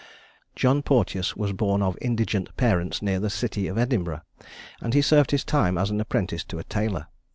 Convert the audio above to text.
John Porteous was born of indigent parents near the city of Edinburgh; and he served his time as an apprentice to a tailor.